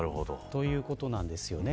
ということなんですよね。